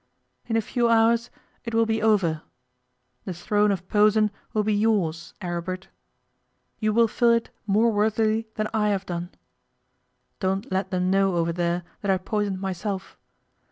In a few hours it will be over. The throne of Posen will be yours, Aribert. You will fill it more worthily than I have done. Don't let them know over there that I poisoned myself.